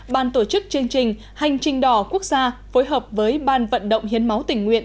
ban tổ chức chương trình hành trình đỏ quốc gia phối hợp với ban vận động hiến máu tình nguyện